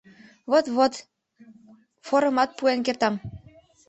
— Вот-вот, форымат пуэн кертам.